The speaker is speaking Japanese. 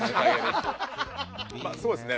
まあそうですね